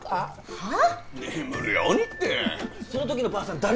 はあ。